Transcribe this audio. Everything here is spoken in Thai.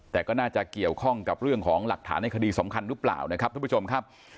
แต่ก็น่าจะเกี่ยวข้องกับเรื่องของหลักฐานในคดีสำคัญหรือเปล่านะครับทุกผู้ชมครับ